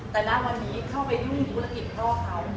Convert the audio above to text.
แต่ณวันนี้เข้าไปยุ่งธุรกิจพ่อเขา